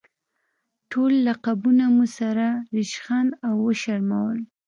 ټول لقبونه مو سره ریشخند او وشرمول.